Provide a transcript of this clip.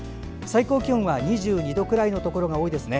最高気温は２２度くらいのところが多いです。